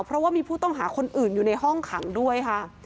เพราะว่ามีผู้ต้องหาคนอื่นอยู่ในห้องขังด้วยค่ะ